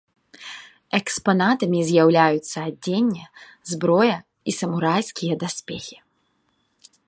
Экспанатамі з'яўляюцца адзенне, зброя і самурайскія даспехі.